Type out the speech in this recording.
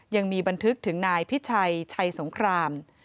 ยังมีบันทึกถึงนายพิชัยชัยสงคราม